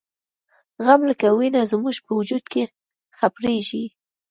غم لکه وینه زموږ په وجود کې خپریږي